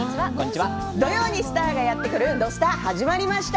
土曜にスターがやってくる「土スタ」始まりました。